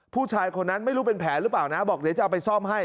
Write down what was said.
ผู้ชายคนนั้นไม่รู้เป็นแผลหรือเปล่านะบอกเดี๋ยวจะเอาไปซ่อมให้